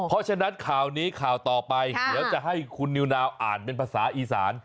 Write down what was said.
เพราะฉะนั้นข่าวนี้ข่าวต่อไปเดี๋ยวจะให้คุณนิวนาวอ่านเป็นภาษาอีสาน